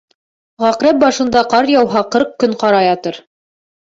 Ғаҡрәп башында ҡар яуһа, ҡырҡ көн ҡара ятыр.